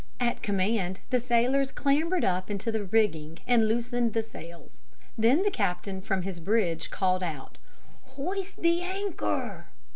At command the sailors clambered up into the rigging and loosened the sails. Then the captain from his bridge called out, "Hoist the anchor!"